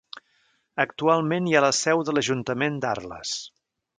Actualment hi ha la seu de l'Ajuntament d'Arles.